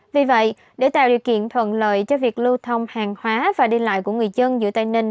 vì vậy để tạo điều kiện thuận lợi cho việc lưu thông hàng hóa và đi lại của người dân giữa tây ninh